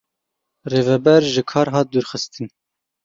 Rêveber ji kar hat dûrxistin.